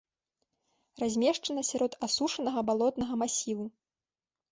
Размешчана сярод асушанага балотнага масіву.